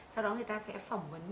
sau đó người ta sẽ phỏng vấn